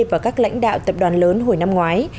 và các lãnh đạo tập đoàn lớn hồi năm ngoái